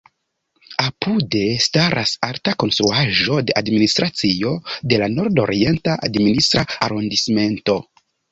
Apude staras alta konstruaĵo de administracio de la Nord-Orienta administra arondismento.